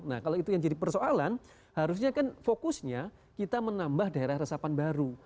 nah kalau itu yang jadi persoalan harusnya kan fokusnya kita menambah daerah resapan baru